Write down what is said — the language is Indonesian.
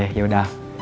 oh oke yaudah